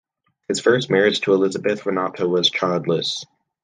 His first marriage to Elisabeth Renata was childless.